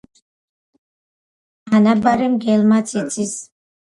ანაბარი მგელმაც იცის